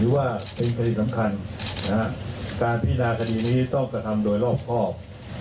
ว่าเป็นคดีสำคัญการพินาคดีนี้ต้องกระทำโดยรอบครอบ